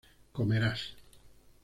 comerás